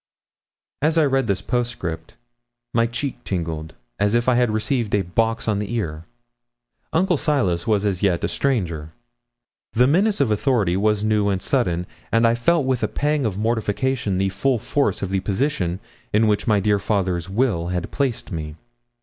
As I read this postscript, my cheek tingled as if I had received a box on the ear. Uncle Silas was as yet a stranger. The menace of authority was new and sudden, and I felt with a pang of mortification the full force of the position in which my dear father's will had placed me.